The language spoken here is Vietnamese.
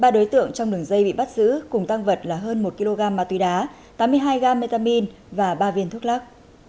ba đối tượng trong đường dây bị bắt giữ cùng tăng vật là hơn một kg ma túy đá tám mươi hai gam metamine và ba viên thuốc lắc